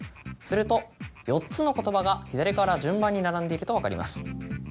すると４つの言葉が左から順番に並んでいくと分かります。